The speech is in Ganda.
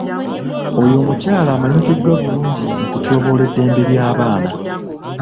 Oyo omukyala amanyikiddwa bulungi mu kutyoboola eddembe ly'abaana.